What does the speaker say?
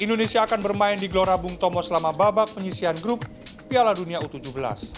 indonesia akan bermain di gelora bung tomo selama babak penyisian grup piala dunia u tujuh belas